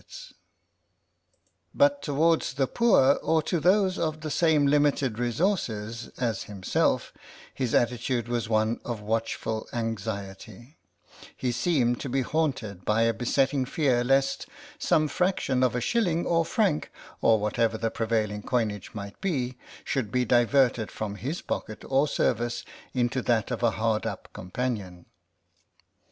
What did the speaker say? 66 THE SOUL OF LAPLOSHKA 6y But towards the poor or to those of the same limited resources as himself his attitude was one of watchful anxiety ; he seemed to be haunted by a besetting fear lest some fraction of a shilling or franc, or whatever the prevailing coinage might be, should be diverted from his pocket or service into that of a hard up companion.